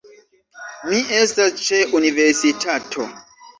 Mi estas ĉe universitato